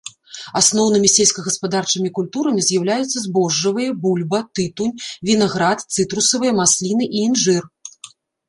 Асноўнымі сельскагаспадарчымі культурамі з'яўляюцца збожжавыя, бульба, тытунь, вінаград, цытрусавыя, масліны і інжыр.